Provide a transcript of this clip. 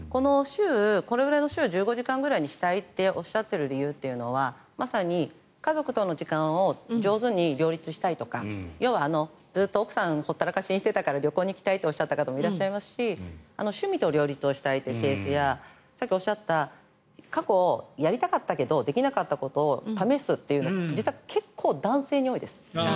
これくらいの週１５時間ぐらいにしたいとおっしゃっている理由というのはまさに家族との時間を上手に両立したいとか要はずっと奥さんをほったらかしにしていたから旅行に行きたいという人もいらっしゃいましたし趣味と両立をしたいというケースやさっきおっしゃった過去、やりたかったけどできなかったことを試すというのは実は結構、男性に多いです。